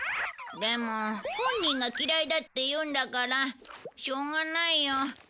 でも本人が嫌いだって言うんだからしょうがないよ。